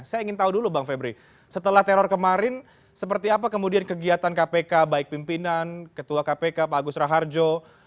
saya ingin tahu dulu bang febri setelah teror kemarin seperti apa kemudian kegiatan kpk baik pimpinan ketua kpk pak agus raharjo